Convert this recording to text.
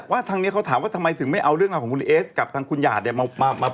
ทางนี้เขาถามว่าทำไมถึงไม่เอาเรื่องราวของคุณเอสกับทางคุณหยาดเนี่ย